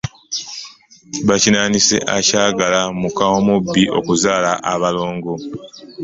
Bakinaanise akyagala muka omubbi okuzaala abolongo.